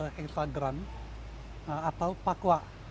hexagram atau pakua